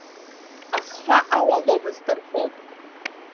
Ахҳәа алаломызт рҳәон.